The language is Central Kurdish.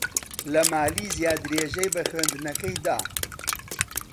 لە مالیزیا درێژەی بە خوێندنەکەی دا.